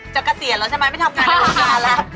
จะกระเตี๋ยวเราใช่ไหมไม่ทำงานเขาก็ดาลแล้ว